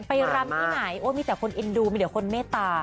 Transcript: รำที่ไหนโอ้มีแต่คนเอ็นดูมีแต่คนเมตตา